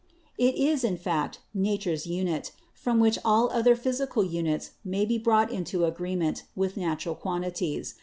"It is, in fact, Nature's unit, from which all other physi cal units may be brought into agreement with natural quantities.